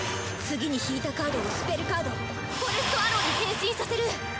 次に引いたカードをスペルカードフォレストアローに変身させる！